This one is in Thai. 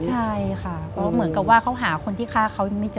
ใช่ค่ะเพราะเหมือนกับว่าเขาหาคนที่ฆ่าเขายังไม่เจอ